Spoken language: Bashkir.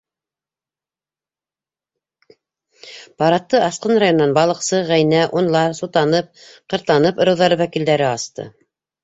Парадты Асҡын районынан балыҡсы, ғәйнә, унлар, су-танып, ҡыр-танып ырыуҙары вәкилдәре асты.